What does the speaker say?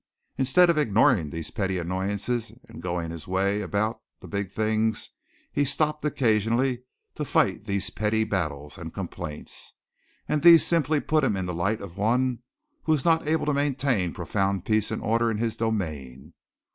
Instead of ignoring these petty annoyances and going his way about the big things, he stopped occasionally to fight these petty battles and complaints, and these simply put him in the light of one who was not able to maintain profound peace and order in his domain.